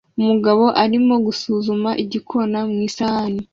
Umugabo arimo gusuzuma igikona mu isahani